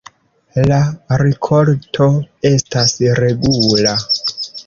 La rikolto estas regula.